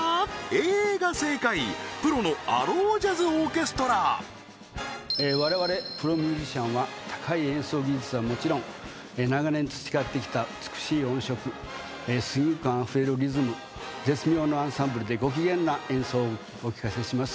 Ａが正解プロの我々プロミュージシャンは高い演奏技術はもちろん長年培ってきた美しい音色スイング感あふれるリズム絶妙なアンサンブルでご機嫌な演奏をお聴かせします